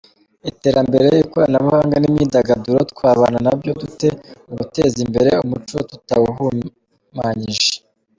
Iterambere, ikoranabuhanga n’imyidagaduro twabana nabyo dute mu guteza imbere umuco tutawuhumanyije?.